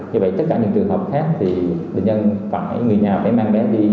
như vậy tất cả những trường hợp khác thì bệnh nhân phải người nhà phải mang vé đi